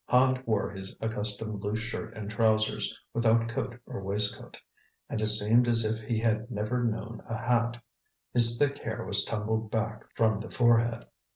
Hand wore his accustomed loose shirt and trousers without coat or waistcoat, and it seemed as if he had never known a hat. His thick hair was tumbled back from the forehead.